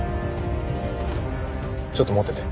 ちょっと持ってて。